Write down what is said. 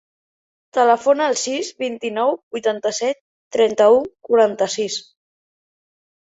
Telefona al sis, vint-i-nou, vuitanta-set, trenta-u, quaranta-sis.